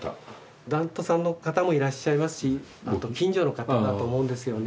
檀徒さんの方もいらっしゃいますし近所の方だと思うんですよね。